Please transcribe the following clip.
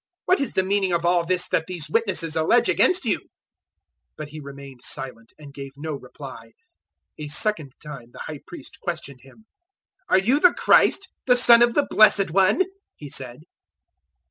What is the meaning of all this that these witnesses allege against you?" 014:061 But He remained silent, and gave no reply. A second time the High Priest questioned Him. "Are you the Christ, the Son of the Blessed One?" he said.